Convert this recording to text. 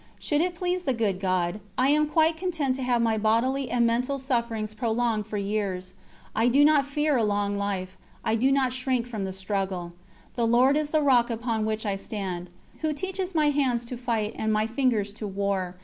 Should it please the Good God, I am quite content to have my bodily and mental sufferings prolonged for years. I do not fear a long life; I do not shrink from the struggle. The Lord is the rock upon which I stand "Who teacheth my hands to fight, and my fingers to war.